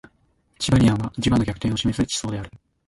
チバニアンは磁場の逆転を示す地層である